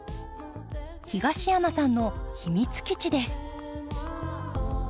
東山さんの秘密基地です。